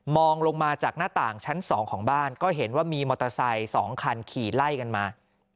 ลงมาจากหน้าต่างชั้น๒ของบ้านก็เห็นว่ามีมอเตอร์ไซค์๒คันขี่ไล่กันมา